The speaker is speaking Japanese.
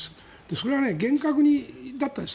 それは厳格だったんです。